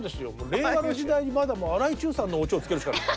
令和の時代に荒井注さんのオチをつけるしかない。